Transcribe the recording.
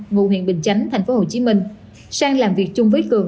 ngụ huyện bình chánh thành phố hồ chí minh sang làm việc chung với cường